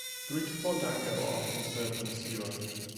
Three to four "dango" are often served on a skewer.